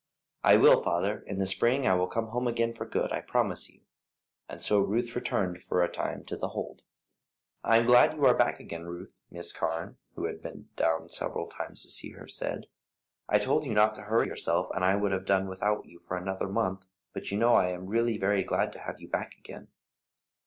"I will, father; in the spring I will come home again for good, I promise you," and so Ruth returned for a time to The Hold. "I am glad you are back again, Ruth," Miss Carne, who had been down several times to see her, said. "I told you not to hurry yourself, and I would have done without you for another month, but you know I am really very glad to have you back again.